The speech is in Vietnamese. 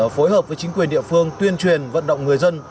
phối hợp với chính quyền địa phương tuyên truyền vận động người dân